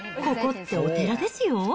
ここってお寺ですよ。